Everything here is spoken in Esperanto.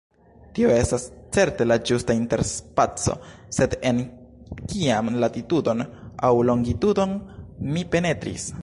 Tio estas certe la ĝusta interspaco, sed en kian latitudon aŭ longitudon mi penetris?